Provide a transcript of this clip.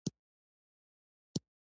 ازادي راډیو د سیاست ستونزې راپور کړي.